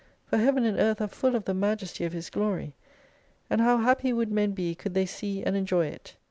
For Heaven and Earth are full of the majesty of His glory. And how happy would men be could they see and enjoy it !